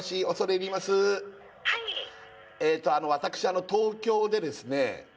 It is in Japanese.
えーと私東京でですね